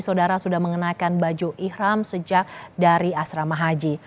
saudara sudah mengenakan baju ikhram sejak dari asrama haji